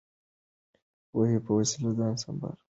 د پوهې په وسله ځان سمبال کړئ.